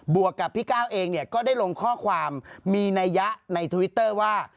วกกับพี่ก้าวเองเนี่ยก็ได้ลงข้อความมีนัยยะในทวิตเตอร์ว่า